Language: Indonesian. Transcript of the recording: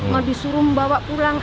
mau disuruh membawa pulang